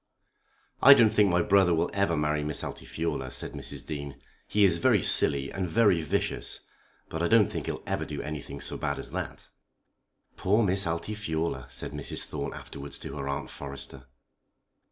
"I don't think my brother will ever marry Miss Altifiorla," said Mrs. Dean. "He is very silly and very vicious, but I don't think he'll ever do anything so bad as that." "Poor Miss Altifiorla!" said Mrs. Thorne afterwards to her Aunt Forrester.